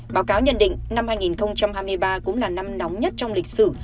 báo cáo nhận định năm hai nghìn hai mươi ba cũng là năm nóng nhất trong lịch sử